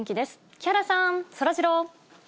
木原さん、そらジロー。